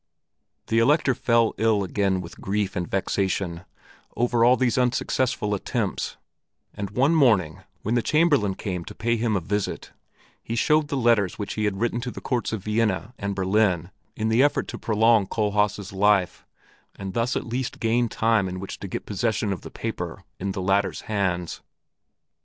The Elector fell ill again with grief and vexation over all these unsuccessful attempts, and one morning, when the Chamberlain came to pay him a visit, he showed him the letters which he had written to the courts of Vienna and Berlin in the effort to prolong Kohlhaas' life and thus at least gain time in which to get possession of the paper in the latter's hands.